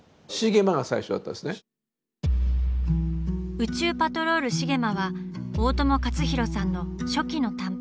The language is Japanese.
「宇宙パトロール・シゲマ」は大友克洋さんの初期の短編。